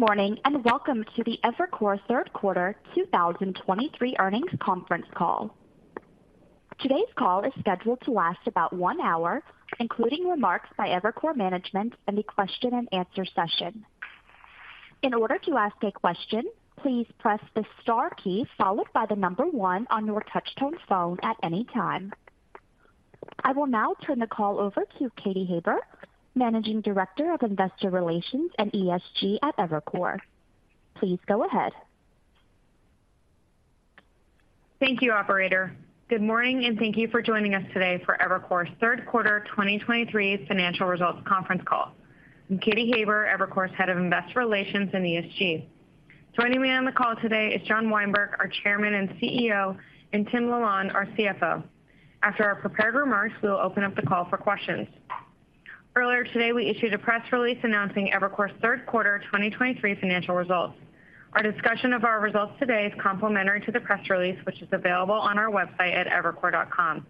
Good morning, and welcome to the Evercore third quarter 2023 earnings conference call. Today's call is scheduled to last about one hour, including remarks by Evercore management and the question and answer session. In order to ask a question, please press the star key followed by the number 1 on your touch-tone phone at any time. I will now turn the call over to Katy Haber, Managing Director of Investor Relations and ESG at Evercore. Please go ahead. Thank you, operator. Good morning, and thank you for joining us today for Evercore's third quarter 2023 financial results conference call. I'm Katy Haber, Evercore's Head of Investor Relations and ESG. Joining me on the call today is John Weinberg, our Chairman and CEO, and Tim LaLonde, our CFO. After our prepared remarks, we will open up the call for questions. Earlier today, we issued a press release announcing Evercore's third quarter 2023 financial results. Our discussion of our results today is complementary to the press release, which is available on our website at evercore.com.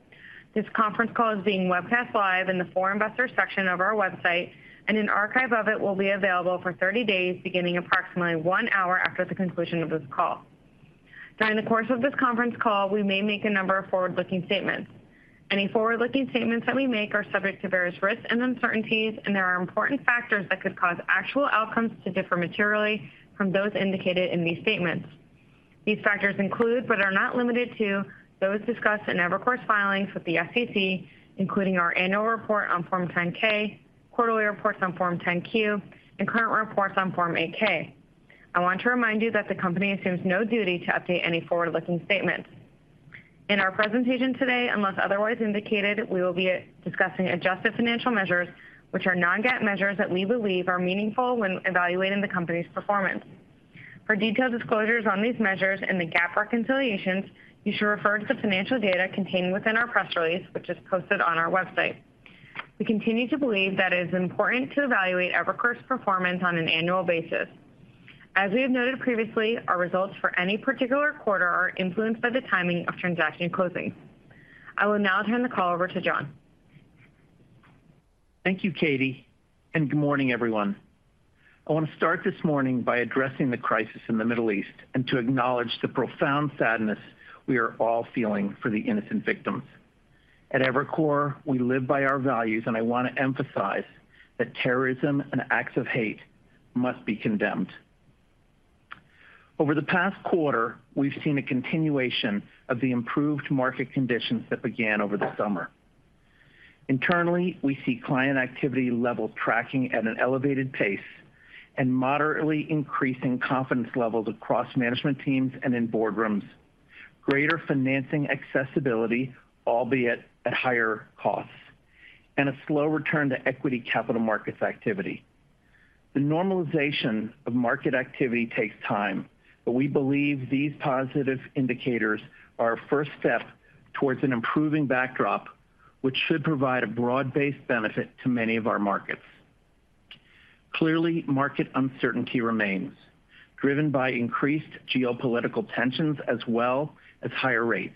This conference call is being webcast live in the For Investors section of our website, and an archive of it will be available for 30 days, beginning approximately one hour after the conclusion of this call. During the course of this conference call, we may make a number of forward-looking statements. Any forward-looking statements that we make are subject to various risks and uncertainties, and there are important factors that could cause actual outcomes to differ materially from those indicated in these statements. These factors include, but are not limited to, those discussed in Evercore's filings with the SEC, including our annual report on Form 10-K, quarterly reports on Form 10-Q, and current reports on Form 8-K. I want to remind you that the company assumes no duty to update any forward-looking statements. In our presentation today, unless otherwise indicated, we will be discussing adjusted financial measures, which are non-GAAP measures that we believe are meaningful when evaluating the company's performance. For detailed disclosures on these measures and the GAAP reconciliations, you should refer to the financial data contained within our press release, which is posted on our website. We continue to believe that it is important to evaluate Evercore's performance on an annual basis. As we have noted previously, our results for any particular quarter are influenced by the timing of transaction closings. I will now turn the call over to John. Thank you, Katy, and good morning, everyone. I want to start this morning by addressing the crisis in the Middle East, and to acknowledge the profound sadness we are all feeling for the innocent victims. At Evercore, we live by our values, and I want to emphasize that terrorism and acts of hate must be condemned. Over the past quarter, we've seen a continuation of the improved market conditions that began over the summer. Internally, we see client activity level tracking at an elevated pace and moderately increasing confidence levels across management teams and in boardrooms, greater financing accessibility, albeit at higher costs, and a slow return to equity capital markets activity. The normalization of market activity takes time, but we believe these positive indicators are a first step towards an improving backdrop, which should provide a broad-based benefit to many of our markets. Clearly, market uncertainty remains, driven by increased geopolitical tensions as well as higher rates.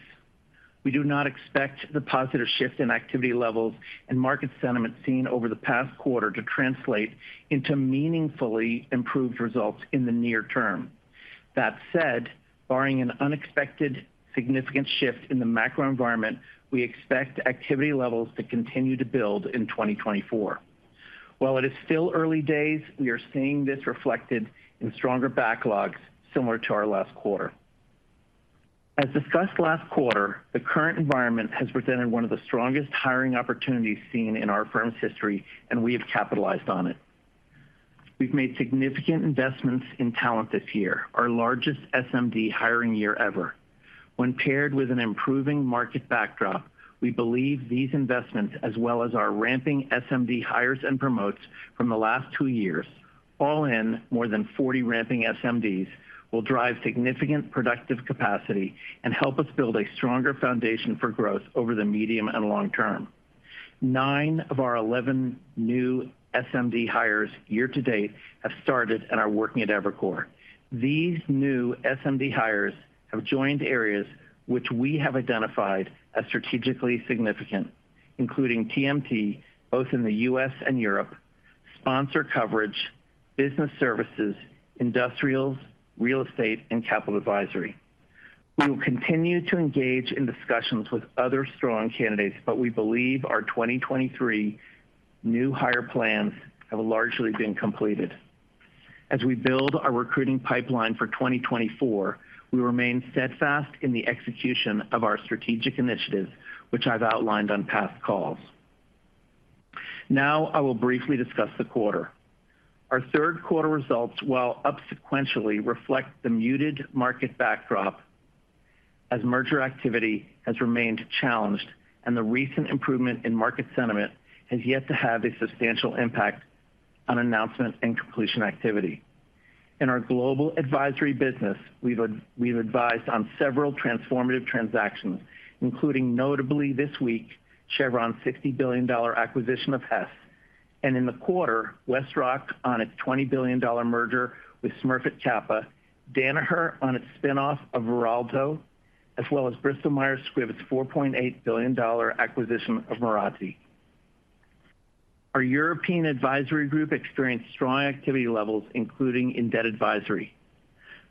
We do not expect the positive shift in activity levels and market sentiment seen over the past quarter to translate into meaningfully improved results in the near term. That said, barring an unexpected significant shift in the macro environment, we expect activity levels to continue to build in 2024. While it is still early days, we are seeing this reflected in stronger backlogs similar to our last quarter. As discussed last quarter, the current environment has presented one of the strongest hiring opportunities seen in our firm's history, and we have capitalized on it. We've made significant investments in talent this year, our largest SMD hiring year ever. When paired with an improving market backdrop, we believe these investments, as well as our ramping SMD hires and promotes from the last two years, all in more than 40 ramping SMDs, will drive significant productive capacity and help us build a stronger foundation for growth over the medium and long term. Nine of our 11 new SMD hires year to date have started and are working at Evercore. These new SMD hires have joined areas which we have identified as strategically significant, including TMT, both in the U.S. and Europe, sponsor coverage, business services, industrials, real estate, and capital advisory. We will continue to engage in discussions with other strong candidates, but we believe our 2023 new hire plans have largely been completed. As we build our recruiting pipeline for 2024, we remain steadfast in the execution of our strategic initiatives, which I've outlined on past calls. Now I will briefly discuss the quarter. Our third quarter results, while up sequentially, reflect the muted market backdrop as merger activity has remained challenged and the recent improvement in market sentiment has yet to have a substantial impact on announcement and completion activity. In our global advisory business, we've advised on several transformative transactions, including notably this week, Chevron's $60 billion acquisition of Hess, and in the quarter, WestRock on its $20 billion merger with Smurfit Kappa, Danaher on its spin-off of Veralto, as well as Bristol Myers Squibb's $4.8 billion acquisition of Mirati.... Our European advisory group experienced strong activity levels, including in debt advisory.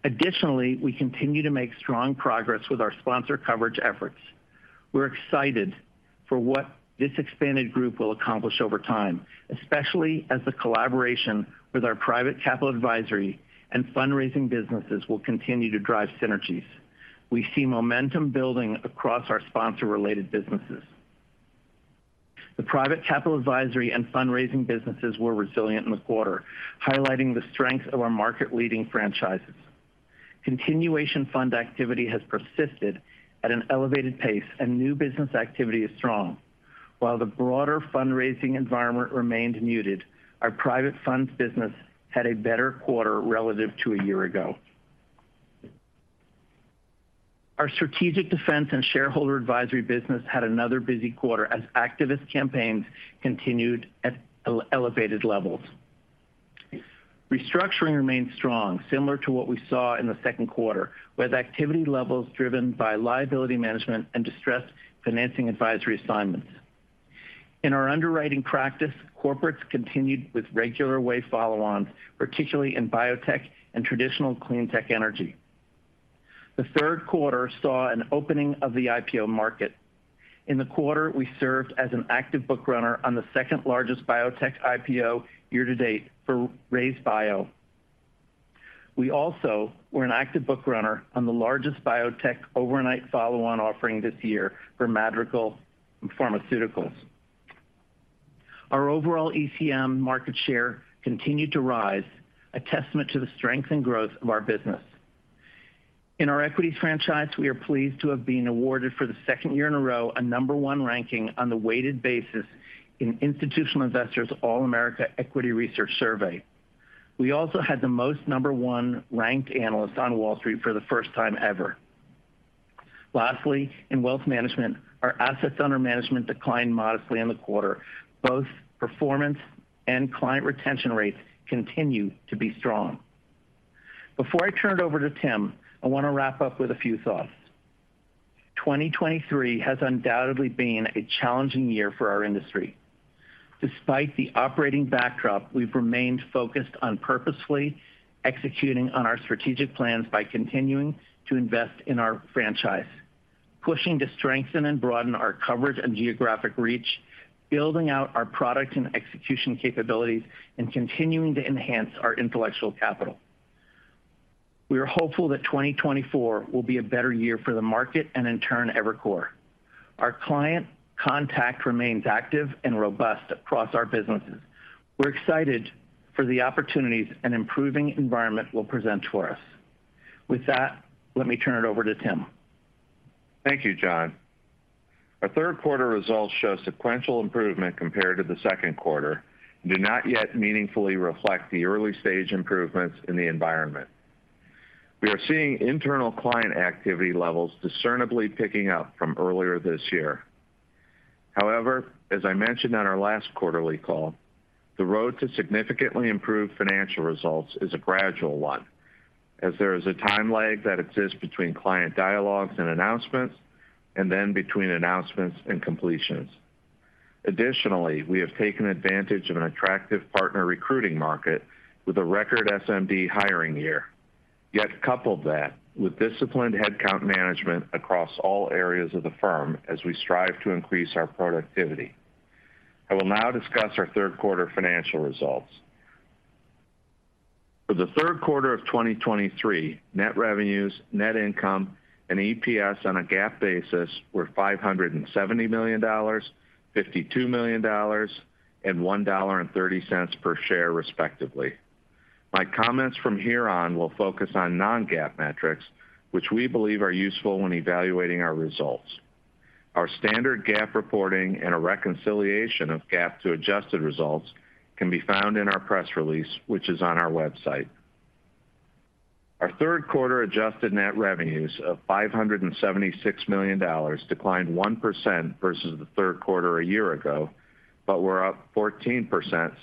Additionally, we continue to make strong progress with our sponsor coverage efforts. We're excited for what this expanded group will accomplish over time, especially as the collaboration with our private capital advisory and fundraising businesses will continue to drive synergies. We see momentum building across our sponsor-related businesses. The private capital advisory and fundraising businesses were resilient in the quarter, highlighting the strength of our market-leading franchises. Continuation fund activity has persisted at an elevated pace, and new business activity is strong. While the broader fundraising environment remained muted, our private funds business had a better quarter relative to a year ago. Our strategic defense and shareholder advisory business had another busy quarter as activist campaigns continued at elevated levels. Restructuring remained strong, similar to what we saw in the second quarter, with activity levels driven by liability management and distressed financing advisory assignments. In our underwriting practice, corporates continued with regular wave follow-ons, particularly in biotech and traditional clean tech energy. The third quarter saw an opening of the IPO market. In the quarter, we served as an active book runner on the second-largest biotech IPO year-to-date for RayzeBio. We also were an active book runner on the largest biotech overnight follow-on offering this year for Madrigal Pharmaceuticals. Our overall ECM market share continued to rise, a testament to the strength and growth of our business. In our equities franchise, we are pleased to have been awarded for the second year in a row, a number one ranking on the weighted basis in Institutional Investor's All-America Equity Research Survey. We also had the most number one ranked analysts on Wall Street for the first time ever. Lastly, in wealth management, our assets under management declined modestly in the quarter. Both performance and client retention rates continue to be strong. Before I turn it over to Tim, I want to wrap up with a few thoughts. 2023 has undoubtedly been a challenging year for our industry. Despite the operating backdrop, we've remained focused on purposefully executing on our strategic plans by continuing to invest in our franchise, pushing to strengthen and broaden our coverage and geographic reach, building out our product and execution capabilities, and continuing to enhance our intellectual capital. We are hopeful that 2024 will be a better year for the market and in turn, Evercore. Our client contact remains active and robust across our businesses. We're excited for the opportunities an improving environment will present for us. With that, let me turn it over to Tim. Thank you, John. Our third quarter results show sequential improvement compared to the second quarter, and do not yet meaningfully reflect the early-stage improvements in the environment. We are seeing internal client activity levels discernibly picking up from earlier this year. However, as I mentioned on our last quarterly call, the road to significantly improve financial results is a gradual one, as there is a time lag that exists between client dialogues and announcements, and then between announcements and completions. Additionally, we have taken advantage of an attractive partner recruiting market with a record SMD hiring year. Yet coupled that with disciplined headcount management across all areas of the firm as we strive to increase our productivity. I will now discuss our third quarter financial results. For the third quarter of 2023, net revenues, net income, and EPS on a GAAP basis were $570 million, $52 million, and $1.30 per share, respectively. My comments from here on will focus on non-GAAP metrics, which we believe are useful when evaluating our results. Our standard GAAP reporting and a reconciliation of GAAP to adjusted results can be found in our press release, which is on our website. Our third quarter adjusted net revenues of $576 million declined 1% versus the third quarter a year ago, but were up 14%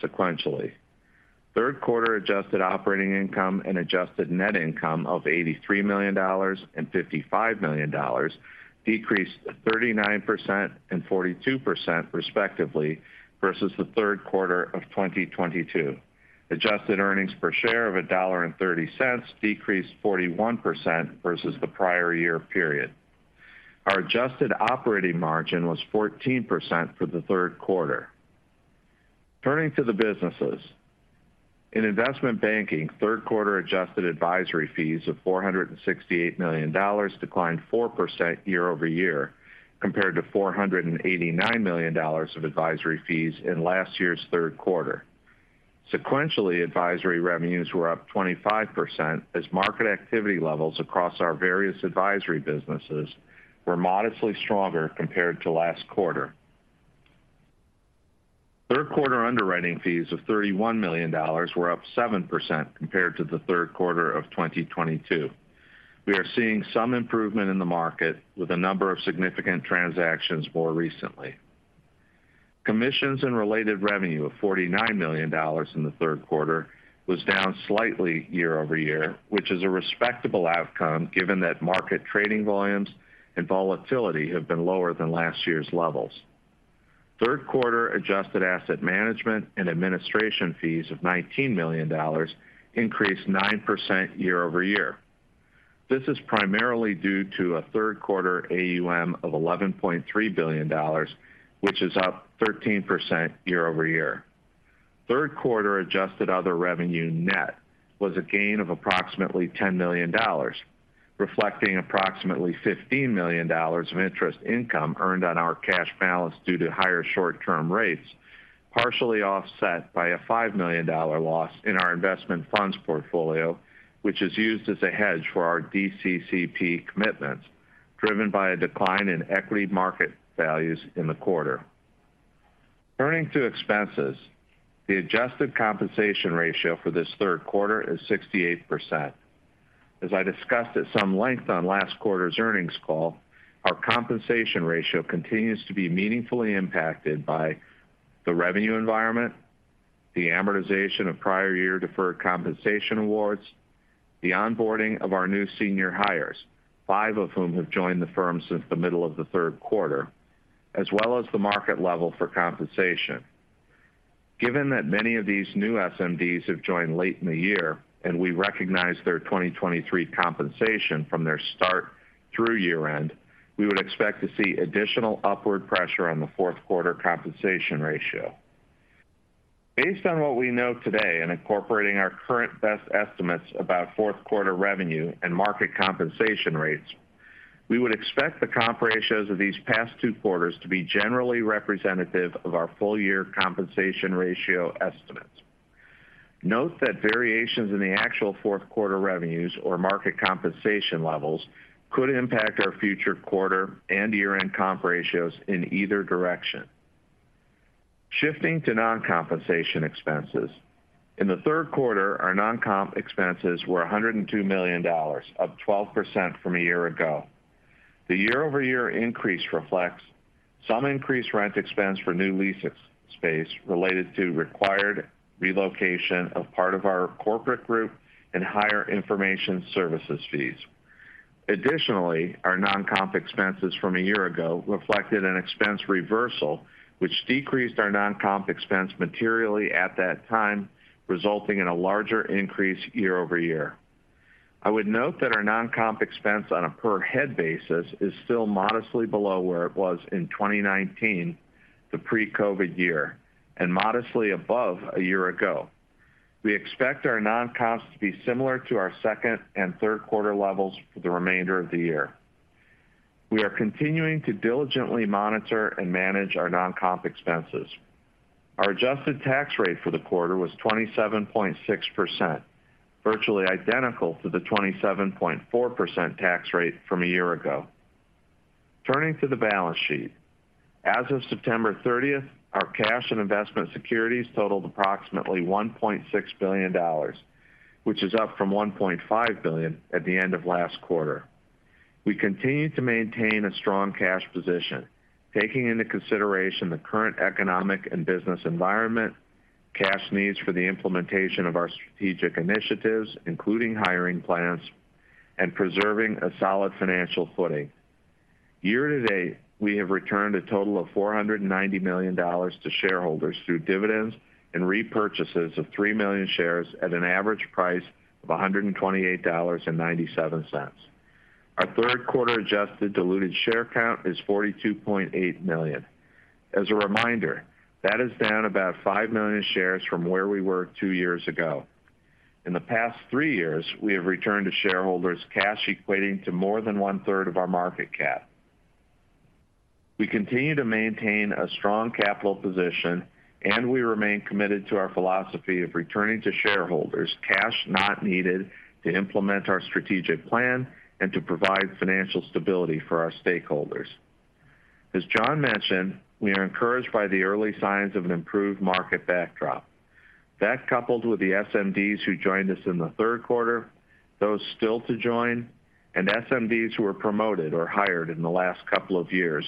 sequentially. Third quarter adjusted operating income and adjusted net income of $83 million and $55 million decreased 39% and 42% respectively, versus the third quarter of 2022. Adjusted earnings per share of $1.30 decreased 41% versus the prior year period. Our adjusted operating margin was 14% for the third quarter. Turning to the businesses. In investment banking, third quarter adjusted advisory fees of $468 million declined 4% year-over-year, compared to $489 million of advisory fees in last year's third quarter. Sequentially, advisory revenues were up 25%, as market activity levels across our various advisory businesses were modestly stronger compared to last quarter. Third quarter underwriting fees of $31 million were up 7% compared to the third quarter of 2022. We are seeing some improvement in the market, with a number of significant transactions more recently. Commissions and related revenue of $49 million in the third quarter was down slightly year-over-year, which is a respectable outcome, given that market trading volumes and volatility have been lower than last year's levels. Third quarter adjusted asset management and administration fees of $19 million increased 9% year-over-year. This is primarily due to a third quarter AUM of $11.3 billion, which is up 13% year-over-year. Third quarter adjusted other revenue net was a gain of approximately $10 million, reflecting approximately $15 million of interest income earned on our cash balance due to higher short-term rates, partially offset by a $5 million loss in our investment funds portfolio, which is used as a hedge for our DCCP commitments, driven by a decline in equity market values in the quarter. Turning to expenses. The adjusted compensation ratio for this third quarter is 68%. As I discussed at some length on last quarter's earnings call, our compensation ratio continues to be meaningfully impacted by the revenue environment, the amortization of prior year deferred compensation awards, the onboarding of our new senior hires, five of whom have joined the firm since the middle of the third quarter, as well as the market level for compensation. Given that many of these new SMDs have joined late in the year, and we recognize their 2023 compensation from their start through year-end, we would expect to see additional upward pressure on the fourth quarter compensation ratio. Based on what we know today and incorporating our current best estimates about fourth quarter revenue and market compensation rates, we would expect the comp ratios of these past two quarters to be generally representative of our full year compensation ratio estimates. Note that variations in the actual fourth quarter revenues or market compensation levels could impact our future quarter and year-end comp ratios in either direction. Shifting to non-compensation expenses. In the third quarter, our non-comp expenses were $102 million, up 12% from a year ago. The year-over-year increase reflects some increased rent expense for new leasing space related to required relocation of part of our corporate group and higher information services fees. Additionally, our non-comp expenses from a year ago reflected an expense reversal, which decreased our non-comp expense materially at that time, resulting in a larger increase year over year. I would note that our non-comp expense on a per head basis is still modestly below where it was in 2019, the pre-COVID year, and modestly above a year ago. We expect our non-comps to be similar to our second and third quarter levels for the remainder of the year. We are continuing to diligently monitor and manage our non-comp expenses. Our adjusted tax rate for the quarter was 27.6%, virtually identical to the 27.4% tax rate from a year ago. Turning to the balance sheet. As of September 30th, our cash and investment securities totaled approximately $1.6 billion, which is up from $1.5 billion at the end of last quarter. We continue to maintain a strong cash position, taking into consideration the current economic and business environment, cash needs for the implementation of our strategic initiatives, including hiring plans and preserving a solid financial footing. Year to date, we have returned a total of $490 million to shareholders through dividends and repurchases of 3 million shares at an average price of $128.97. Our third quarter adjusted diluted share count is 42.8 million. As a reminder, that is down about 5 million shares from where we were two years ago. In the past three years, we have returned to shareholders cash equating to more than 1/3 of our market cap. We continue to maintain a strong capital position, and we remain committed to our philosophy of returning to shareholders cash not needed to implement our strategic plan and to provide financial stability for our stakeholders. As John mentioned, we are encouraged by the early signs of an improved market backdrop. That, coupled with the SMDs who joined us in the third quarter, those still to join, and SMDs who were promoted or hired in the last couple of years,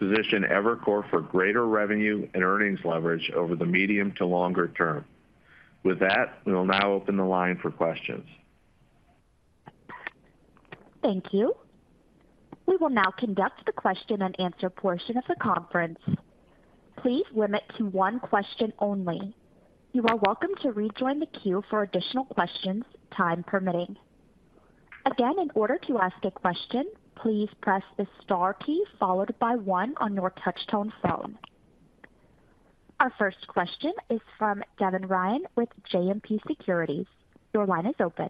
position Evercore for greater revenue and earnings leverage over the medium to longer term. With that, we will now open the line for questions. Thank you. We will now conduct the question and answer portion of the conference. Please limit to one question only. You are welcome to rejoin the queue for additional questions, time permitting. Again, in order to ask a question, please press the star key followed by one on your touchtone phone. Our first question is from Devin Ryan with JMP Securities. Your line is open.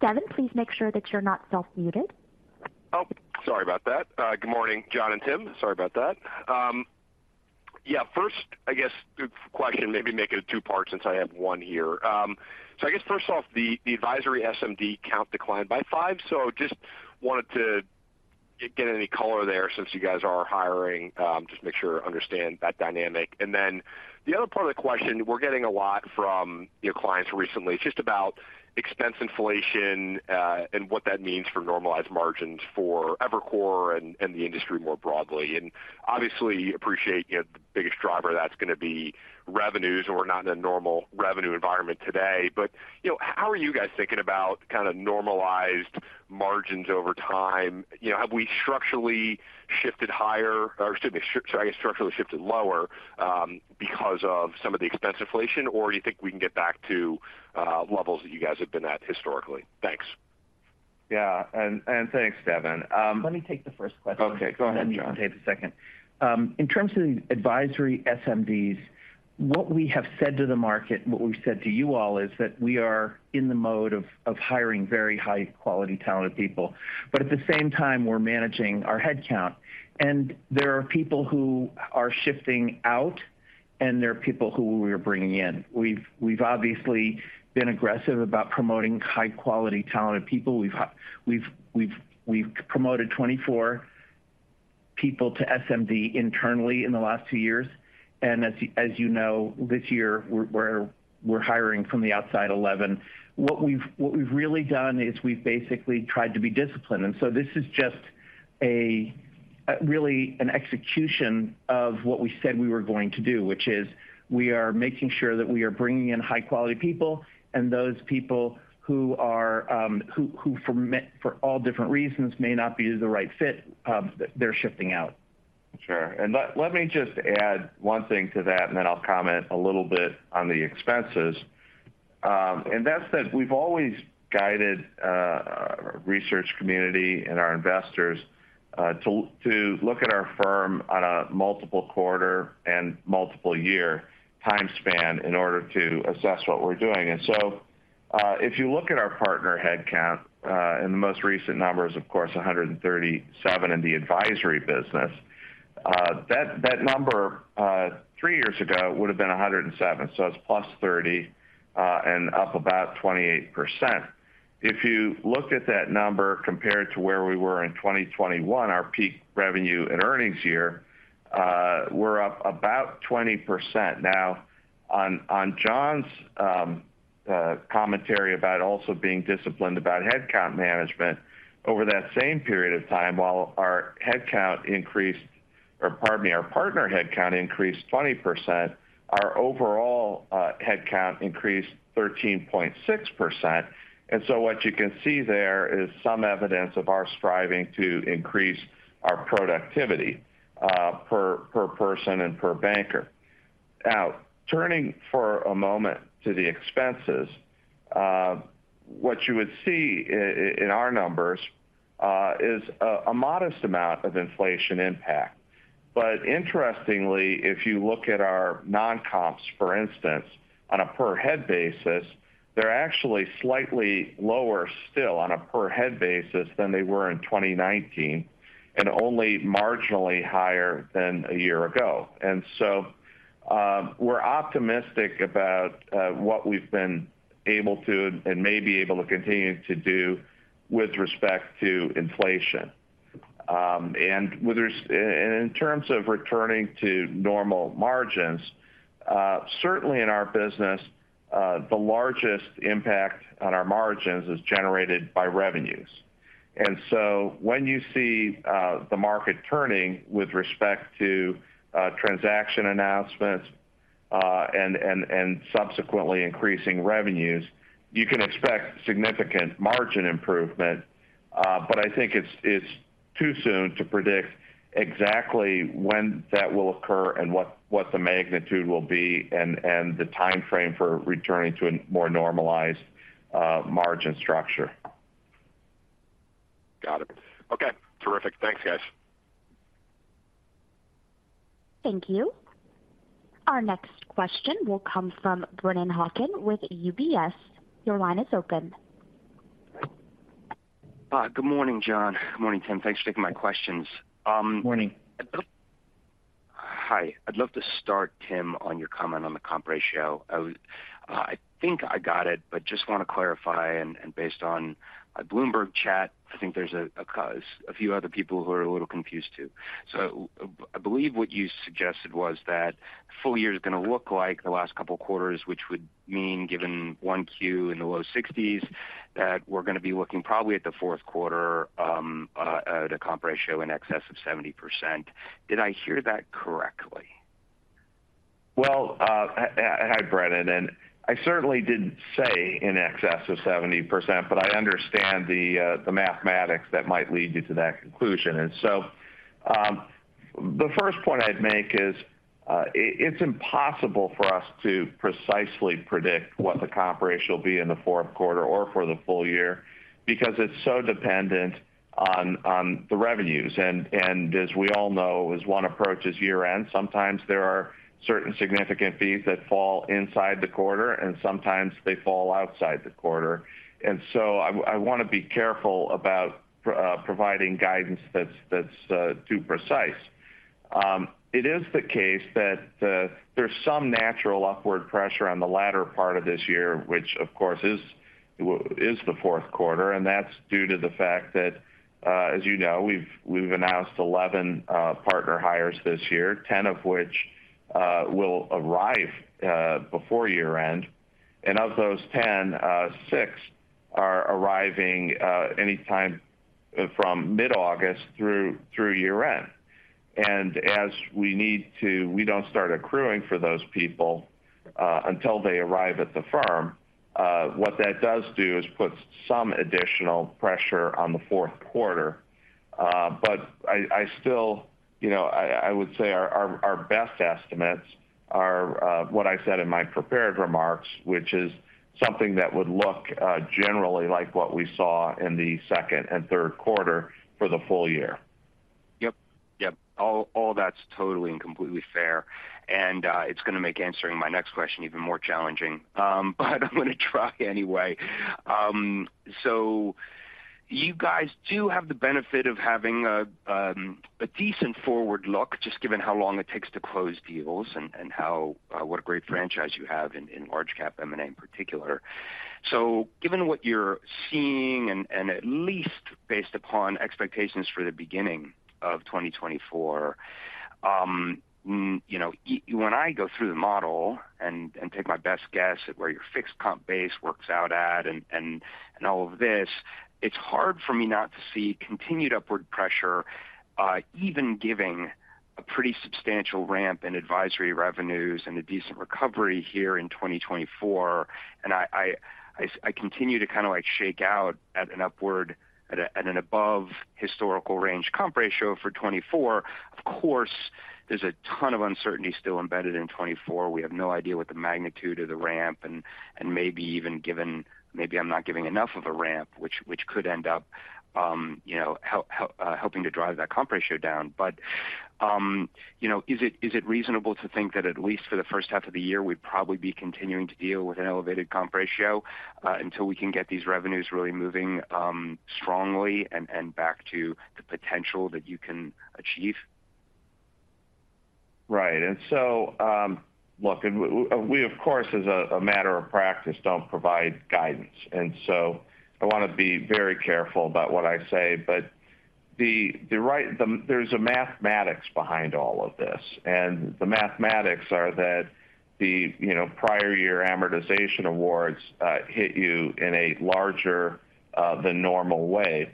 Devin, please make sure that you're not self-muted. Oh, sorry about that. Good morning, John and Tim. Sorry about that. Yeah, first, I guess the question, maybe make it two parts since I have one here. So I guess first off, the advisory SMD count declined by five, so just wanted to get any color there since you guys are hiring, just make sure I understand that dynamic. And then the other part of the question we're getting a lot from, you know, clients recently is just about expense inflation, and what that means for normalized margins for Evercore and the industry more broadly. And obviously, appreciate, you know, the biggest driver that's going to be revenues, and we're not in a normal revenue environment today. But, you know, how are you guys thinking about kind of normalized margins over time? You know, have we structurally shifted higher or, excuse me, sorry, structurally shifted lower, because of some of the expense inflation, or you think we can get back to levels that you guys have been at historically? Thanks.... Yeah, and thanks, Devin. Let me take the first question. Okay, go ahead, John. And you can take the second. In terms of the advisory SMDs, what we have said to the market, and what we've said to you all, is that we are in the mode of hiring very high-quality, talented people. But at the same time, we're managing our headcount, and there are people who are shifting out, and there are people who we are bringing in. We've obviously been aggressive about promoting high-quality, talented people. We've promoted 24 people to SMD internally in the last two years, and as you know, this year, we're hiring from the outside, 11. What we've really done is we've basically tried to be disciplined, and so this is just a really an execution of what we said we were going to do, which is we are making sure that we are bringing in high-quality people, and those people who are, for all different reasons, may not be the right fit, they're shifting out. Sure. And let me just add one thing to that, and then I'll comment a little bit on the expenses. And that's that we've always guided research community and our investors to look at our firm on a multiple quarter and multiple year time span in order to assess what we're doing. And so, if you look at our partner headcount, and the most recent number is, of course, 137 in the advisory business, that number three years ago would've been 107, so it's +30, and up about 28%. If you look at that number compared to where we were in 2021, our peak revenue and earnings year, we're up about 20%. Now, on John's commentary about also being disciplined about headcount management over that same period of time, while our headcount increased, or pardon me, our partner headcount increased 20%, our overall headcount increased 13.6%. And so what you can see there is some evidence of our striving to increase our productivity per person and per banker. Now, turning for a moment to the expenses, what you would see in our numbers is a modest amount of inflation impact. But interestingly, if you look at our non-comps, for instance, on a per head basis, they're actually slightly lower still on a per head basis than they were in 2019, and only marginally higher than a year ago. We're optimistic about what we've been able to and may be able to continue to do with respect to inflation. And in terms of returning to normal margins, certainly in our business, the largest impact on our margins is generated by revenues. When you see the market turning with respect to transaction announcements and subsequently increasing revenues, you can expect significant margin improvement, but I think it's too soon to predict exactly when that will occur and what the magnitude will be and the time frame for returning to a more normalized margin structure. Got it. Okay, terrific. Thanks, guys. Thank you. Our next question will come from Brennan Hawken with UBS. Your line is open. Good morning, John. Good morning, Tim. Thanks for taking my questions. Morning. Hi. I'd love to start, Tim, on your comment on the comp ratio. I was, I think I got it, but just want to clarify, and based on a Bloomberg chat, I think there's a few other people who are a little confused, too. So I believe what you suggested was that full year is going to look like the last couple of quarters, which would mean, given 1Q in the low 60s, that we're going to be looking probably at the fourth quarter at a comp ratio in excess of 70%. Did I hear that correctly? Well, hi, Brennan, and I certainly didn't say in excess of 70%, but I understand the mathematics that might lead you to that conclusion. And so, the first point I'd make is, it, it's impossible for us to precisely predict what the comp ratio will be in the fourth quarter or for the full year, because it's so dependent on the revenues. And as we all know, as one approaches year-end, sometimes there are certain significant fees that fall inside the quarter, and sometimes they fall outside the quarter. And so I want to be careful about providing guidance that's too precise. It is the case that there's some natural upward pressure on the latter part of this year, which, of course, is the fourth quarter, and that's due to the fact that, as you know, we've announced 11 partner hires this year, 10 of which will arrive before year-end. And of those 10, six are arriving anytime from mid-August through year-end. And we don't start accruing for those people until they arrive at the firm. What that does do is put some additional pressure on the fourth quarter. But I still- ... you know, I would say our best estimates are what I said in my prepared remarks, which is something that would look generally like what we saw in the second and third quarter for the full year. Yep. Yep. All that's totally and completely fair, and it's gonna make answering my next question even more challenging. But I'm gonna try anyway. So you guys do have the benefit of having a decent forward look, just given how long it takes to close deals and how what a great franchise you have in large cap M&A in particular. So given what you're seeing, and at least based upon expectations for the beginning of 2024, you know, when I go through the model and take my best guess at where your fixed comp base works out at and all of this, it's hard for me not to see continued upward pressure, even giving a pretty substantial ramp in advisory revenues and a decent recovery here in 2024. I continue to kind of shake out at an above historical range comp ratio for 2024. Of course, there's a ton of uncertainty still embedded in 2024. We have no idea what the magnitude of the ramp and maybe even given, maybe I'm not giving enough of a ramp, which could end up, you know, helping to drive that comp ratio down. But, you know, is it reasonable to think that at least for the first half of the year, we'd probably be continuing to deal with an elevated comp ratio until we can get these revenues really moving strongly and back to the potential that you can achieve? Right. And so, look, and we, of course, as a matter of practice, don't provide guidance, and so I want to be very careful about what I say. But the right. The, there's a mathematics behind all of this, and the mathematics are that the, you know, prior year amortization awards hit you in a larger than normal way,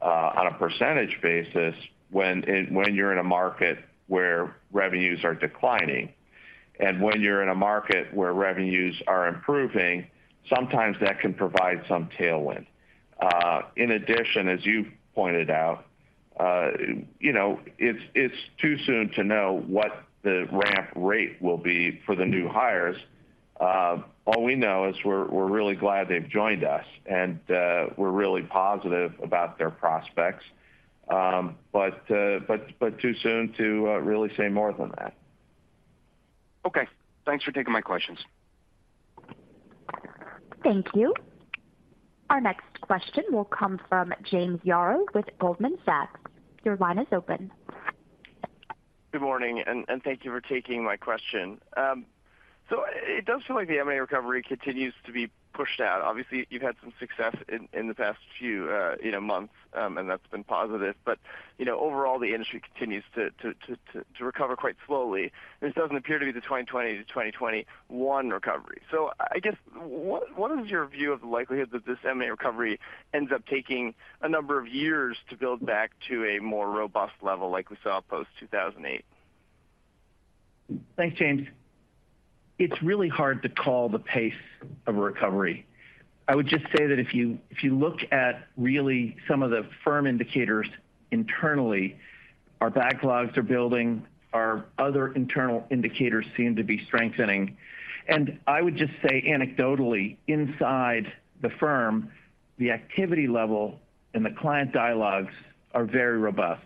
on a percentage basis, when you're in a market where revenues are declining. And when you're in a market where revenues are improving, sometimes that can provide some tailwind. In addition, as you pointed out, you know, it's too soon to know what the ramp rate will be for the new hires. All we know is we're really glad they've joined us, and we're really positive about their prospects. But too soon to really say more than that. Okay. Thanks for taking my questions. Thank you. Our next question will come from James Yaro with Goldman Sachs. Your line is open. Good morning, and thank you for taking my question. So it does seem like the M&A recovery continues to be pushed out. Obviously, you've had some success in the past few, you know, months, and that's been positive. But, you know, overall, the industry continues to recover quite slowly. This doesn't appear to be the 2020 to 2021 recovery. So I guess, what is your view of the likelihood that this M&A recovery ends up taking a number of years to build back to a more robust level like we saw post 2008? Thanks, James. It's really hard to call the pace of a recovery. I would just say that if you, if you look at really some of the firm indicators internally, our backlogs are building, our other internal indicators seem to be strengthening. I would just say anecdotally, inside the firm, the activity level and the client dialogues are very robust.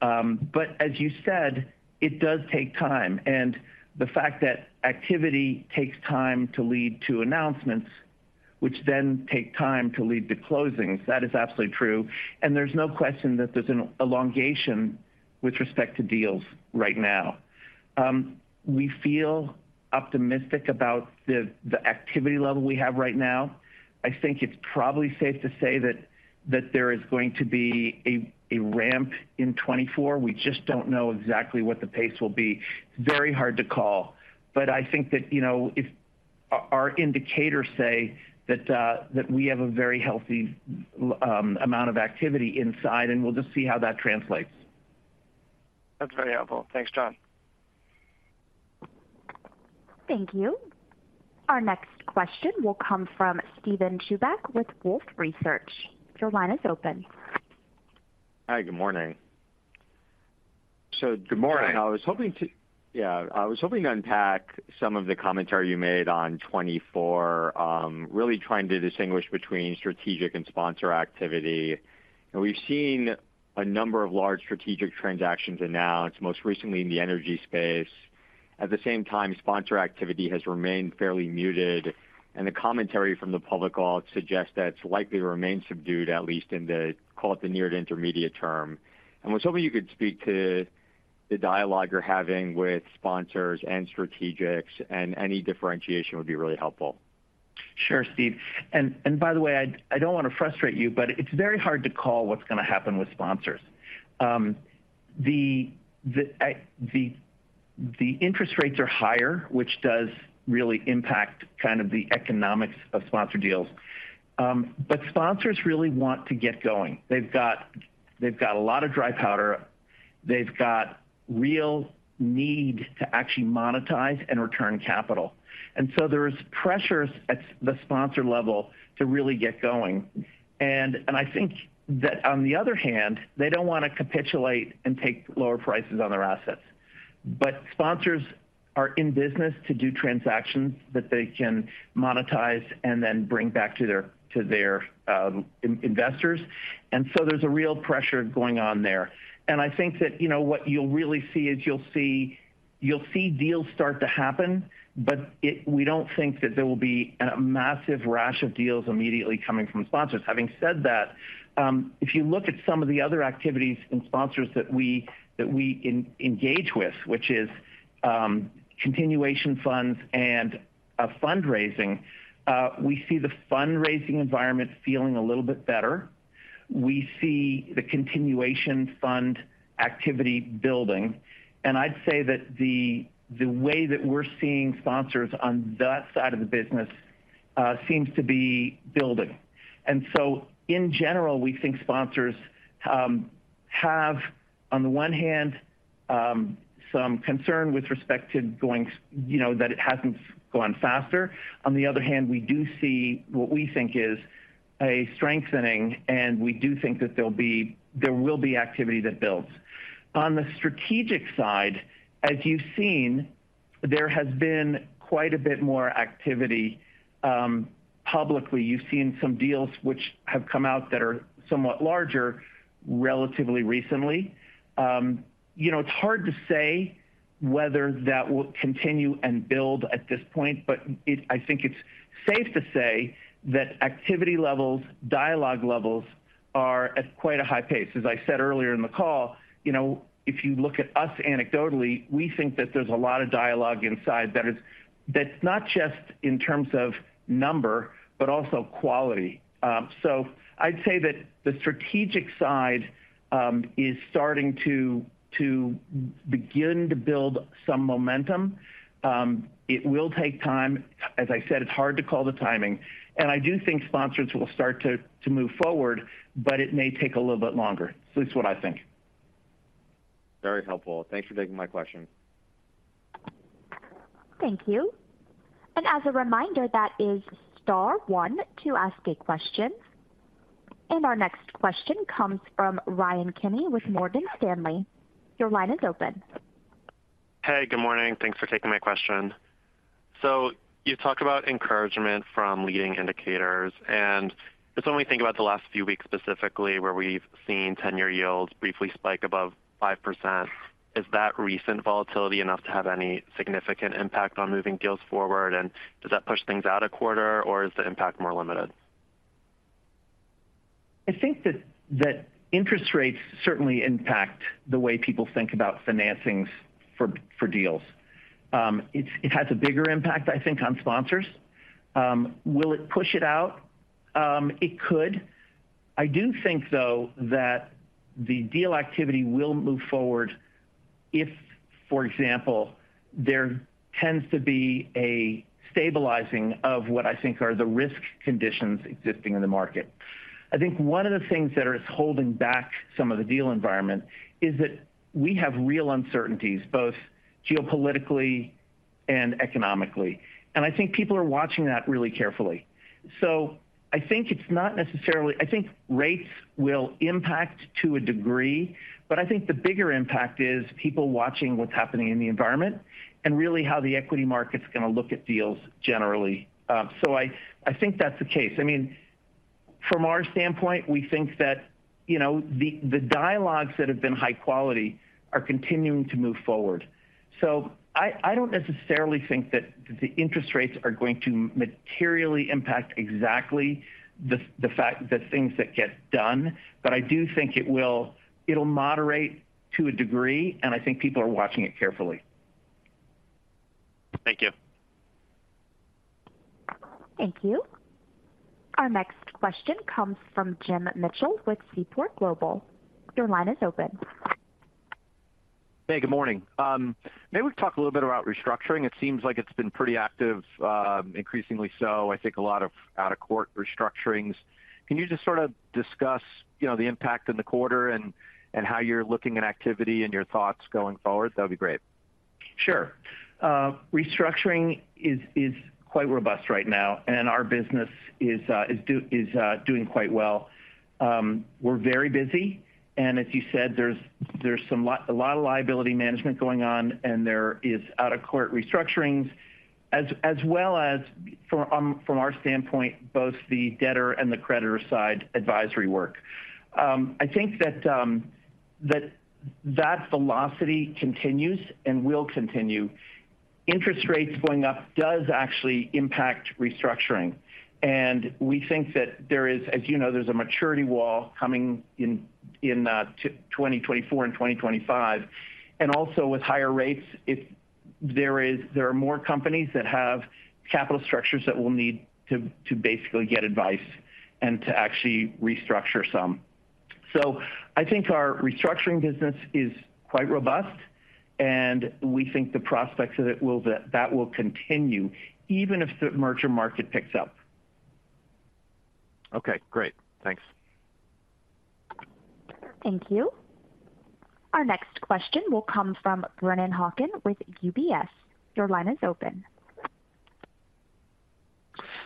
But as you said, it does take time, and the fact that activity takes time to lead to announcements, which then take time to lead to closings, that is absolutely true, and there's no question that there's an elongation with respect to deals right now. We feel optimistic about the, the activity level we have right now. I think it's probably safe to say that, that there is going to be a, a ramp in 2024. We just don't know exactly what the pace will be. It's very hard to call, but I think that, you know, our indicators say that we have a very healthy amount of activity inside, and we'll just see how that translates. That's very helpful. Thanks, John. Thank you. Our next question will come from Steven Chubak with Wolfe Research. Your line is open. Hi, good morning. Good morning. I was hoping to unpack some of the commentary you made on 2024. Really trying to distinguish between strategic and sponsor activity. We've seen a number of large strategic transactions announced, most recently in the energy space. At the same time, sponsor activity has remained fairly muted, and the commentary from the public vault suggests that it's likely to remain subdued, at least in the, call it, the near to intermediate term. I was hoping you could speak to the dialogue you're having with sponsors and strategics, and any differentiation would be really helpful. Sure, Steve. And by the way, I don't want to frustrate you, but it's very hard to call what's going to happen with sponsors. The interest rates are higher, which does really impact kind of the economics of sponsor deals. But sponsors really want to get going. They've got a lot of dry powder, they've got real need to actually monetize and return capital. And so there is pressures at the sponsor level to really get going. And I think that on the other hand, they don't want to capitulate and take lower prices on their assets. But sponsors are in business to do transactions that they can monetize and then bring back to their investors. And so there's a real pressure going on there. I think that, you know, what you'll really see is, you'll see deals start to happen, but it—we don't think that there will be a massive rash of deals immediately coming from sponsors. Having said that, if you look at some of the other activities and sponsors that we engage with, which is continuation funds and fundraising, we see the fundraising environment feeling a little bit better. We see the continuation fund activity building, and I'd say that the way that we're seeing sponsors on that side of the business seems to be building. And so in general, we think sponsors have, on the one hand, some concern with respect to going, you know, that it hasn't gone faster. On the other hand, we do see what we think is a strengthening, and we do think that there'll be-- there will be activity that builds. On the strategic side, as you've seen, there has been quite a bit more activity. Publicly, you've seen some deals which have come out that are somewhat larger relatively recently. You know, it's hard to say whether that will continue and build at this point, but it-- I think it's safe to say that activity levels, dialogue levels, are at quite a high pace. As I said earlier in the call, you know, if you look at us anecdotally, we think that there's a lot of dialogue inside that is, that's not just in terms of number, but also quality. So I'd say that the strategic side is starting to, to begin to build some momentum. It will take time. As I said, it's hard to call the timing, and I do think sponsors will start to move forward, but it may take a little bit longer. That's what I think. Very helpful. Thanks for taking my question. Thank you. As a reminder, that is star one to ask a question. Our next question comes from Ryan Kenny with Morgan Stanley. Your line is open. Hey, good morning. Thanks for taking my question. So you talk about encouragement from leading indicators, and just when we think about the last few weeks, specifically, where we've seen 10-year yields briefly spike above 5%, is that recent volatility enough to have any significant impact on moving deals forward? And does that push things out a quarter, or is the impact more limited? I think that interest rates certainly impact the way people think about financings for deals. It has a bigger impact, I think, on sponsors. Will it push it out? It could. I do think, though, that the deal activity will move forward if, for example, there tends to be a stabilizing of what I think are the risk conditions existing in the market. I think one of the things that is holding back some of the deal environment is that we have real uncertainties, both geopolitically and economically. And I think people are watching that really carefully. So I think it's not necessarily. I think rates will impact to a degree, but I think the bigger impact is people watching what's happening in the environment and really how the equity market is going to look at deals generally. So I think that's the case. I mean, from our standpoint, we think that, you know, the dialogues that have been high quality are continuing to move forward. So I don't necessarily think that the interest rates are going to materially impact exactly the things that get done. But I do think it'll moderate to a degree, and I think people are watching it carefully. Thank you. Thank you. Our next question comes from Jim Mitchell with Seaport Global. Your line is open. Hey, good morning. Maybe we can talk a little bit about restructuring. It seems like it's been pretty active, increasingly so. I think a lot of out-of-court restructurings. Can you just sort of discuss, you know, the impact in the quarter and how you're looking at activity and your thoughts going forward? That'd be great. Sure. Restructuring is quite robust right now, and our business is doing quite well. We're very busy, and as you said, there's a lot of liability management going on, and there is out-of-court restructurings, as well as from our standpoint, both the debtor and the creditor side advisory work. I think that that velocity continues and will continue. Interest rates going up does actually impact restructuring, and we think that there is, as you know, there's a maturity wall coming in 2024 and 2025. And also with higher rates, there are more companies that have capital structures that will need to basically get advice and to actually restructure some. I think our restructuring business is quite robust, and we think the prospects of it will continue even if the merger market picks up. ... Okay, great. Thanks. Thank you. Our next question will come from Brennan Hawken with UBS. Your line is open.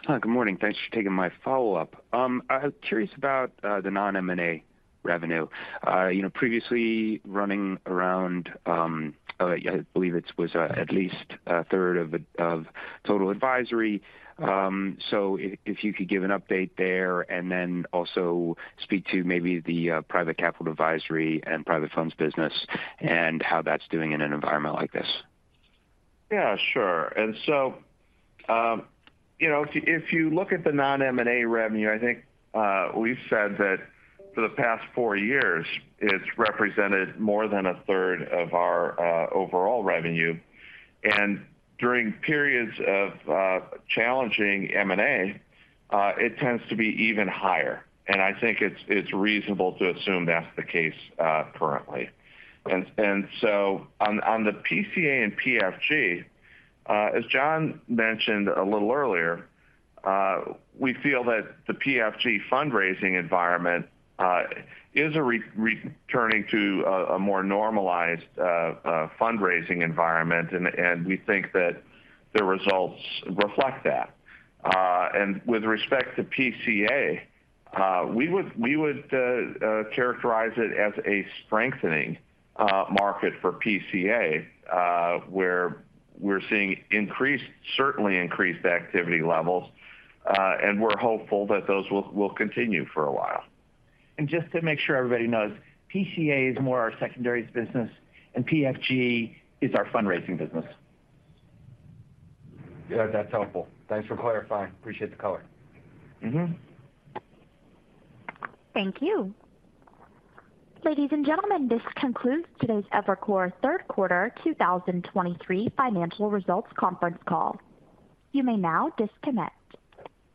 Hi, good morning. Thanks for taking my follow-up. I was curious about the non-M&A revenue. You know, previously running around, I believe it was at least a third of total advisory. So if you could give an update there and then also speak to maybe the private capital advisory and private funds business and how that's doing in an environment like this. Yeah, sure. And so, you know, if you look at the non-M&A revenue, I think we've said that for the past four years, it's represented more than a third of our overall revenue. And during periods of challenging M&A, it tends to be even higher, and I think it's reasonable to assume that's the case currently. And so on the PCA and PFG, as John mentioned a little earlier, we feel that the PFG fundraising environment is returning to a more normalized fundraising environment, and we think that the results reflect that. With respect to PCA, we would characterize it as a strengthening market for PCA, where we're seeing increased, certainly increased, activity levels, and we're hopeful that those will continue for a while. Just to make sure everybody knows, PCA is more our secondaries business, and PFG is our fundraising business. Yeah, that's helpful. Thanks for clarifying. Appreciate the color. Mm-hmm. Thank you. Ladies and gentlemen, this concludes today's Evercore third quarter 2023 financial results conference call. You may now disconnect.